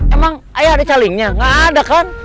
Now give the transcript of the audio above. emang ayah ada calingnya nggak ada kan